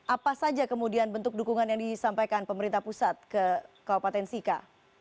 apa saja kemudian bentuk dukungan yang disampaikan pemerintah pusat ke kabupaten sika